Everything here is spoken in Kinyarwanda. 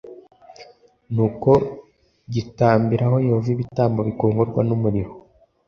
Nuko agitambiraho Yehova ibitambo bikongorwa n umuriro